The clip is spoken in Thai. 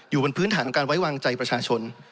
อยู่บนพื้นฐานของการไว้วางใจประชาชน